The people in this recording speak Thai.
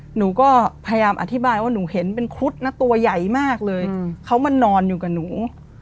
หนูก็พยายามอธิบายว่าหนูเห็นเป็นครุฑนะตัวใหญ่มากเลยเขามานอนอยู่กับหนู